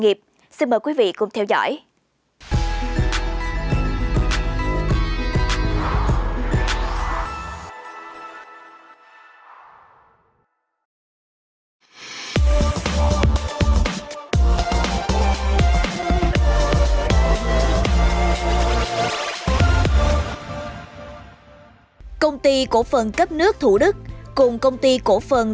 nghiệp xin mời quý vị cùng theo dõi công ty cổ phần cấp nước thủ đức cùng công ty cổ phần